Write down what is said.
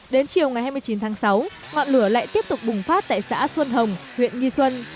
đến chiều ngày hai mươi chín tháng sáu ngọn lửa lại tiếp tục bùng phát tại xã xuân hồng huyện nghi xuân